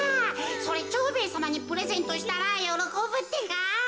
それ蝶兵衛さまにプレゼントしたらよろこぶってか。